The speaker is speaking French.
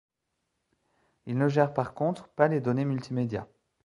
Ils ne gèrent par contre pas les données multimédia.